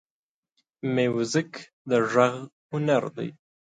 موزیک د غږ هنر دی.